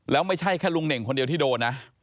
แล้วไม่ใช่แค่ลุงเน่งคนเดียวที่โดนนะ